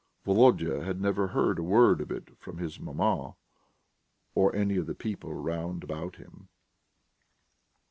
Volodya had never heard a word of it from his maman or any of the people round about him.